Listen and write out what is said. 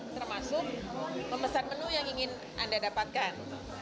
termasuk memesan menu yang ingin anda dapatkan